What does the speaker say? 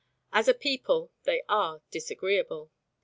As a people they are disagreeable.